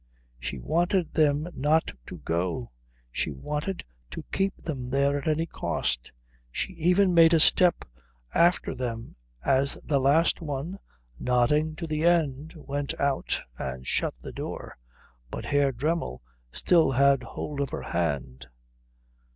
She wanted them not to go; she wanted to keep them there at any cost. She even made a step after them as the last one, nodding to the end, went out and shut the door, but Herr Dremmel still had hold of her hand.